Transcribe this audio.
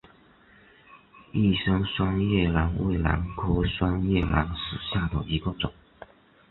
玉山双叶兰为兰科双叶兰属下的一个种。